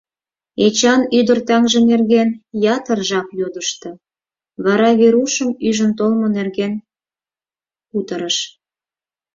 Эчан ӱдыр таҥже нерген ятыр жап йодышто, вара Верушым ӱжын толмо нерген кутырыш.